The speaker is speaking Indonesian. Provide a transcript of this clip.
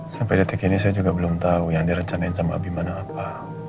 sampai detik ini saya juga belum tahu yang direncanain sama abima dan apa